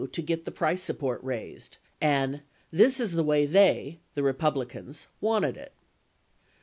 to get the price support raised" and "this is the way they [the Republicans] wanted it."